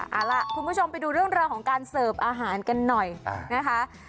เอาล่ะคุณผู้ชมไปดูเรื่องราวของการเสิร์ฟอาหารกันหน่อยนะคะ